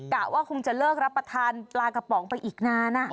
กะว่าคงจะเลิกรับประทานปลากระป๋องไปอีกนาน